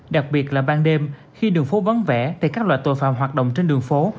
đặc biệt là ban đêm khi đường phố vắng vẻ thì các loại tội phạm hoạt động trên đường phố